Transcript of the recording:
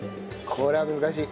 これは難しい。